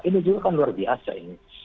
ini juga kan luar biasa ini